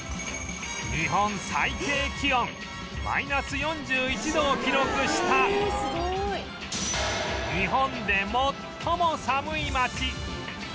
日本最低気温マイナス４１度を記録した日本で最も寒い町